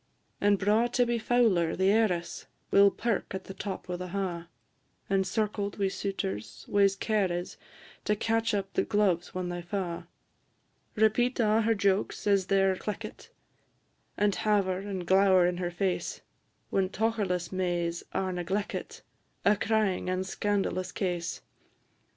And braw Tibby Fowler, the heiress, Will perk at the top o' the ha', Encircled wi' suitors, whase care is To catch up the gloves when they fa'. Repeat a' her jokes as they 're cleckit, And haver and glower in her face, When tocherless Mays are negleckit A crying and scandalous case.